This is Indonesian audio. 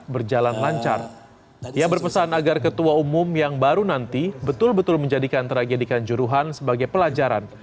berjalan lancar ia berpesan agar ketua umum yang baru nanti betul betul menjadikan tragedikan juruhan sebagai pelajaran